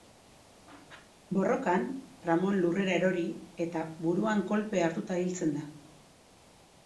Borrokan, Ramon lurrera erori eta buruan kolpea hartuta hiltzen da.